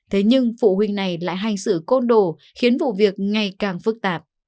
thế nhưng phụ huynh này lại hành xử côn đồ khiến vụ việc ngày càng phức tạp